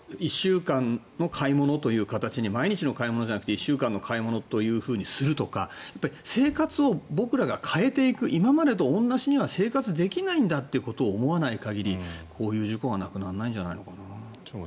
毎日の買い物じゃなくて１週間分の買い物にするとか生活を僕らが変えていく今までと同じには生活できないんだっていうことを思わない限りこういう事故はなくならないんじゃないかな。